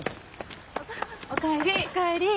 お帰り。